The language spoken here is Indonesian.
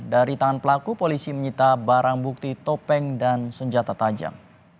dari tangan pelaku polisi menyita barang bukti topeng dan senjata tajam